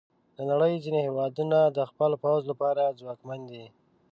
د نړۍ ځینې هیوادونه د خپل پوځ لپاره ځواکمن دي.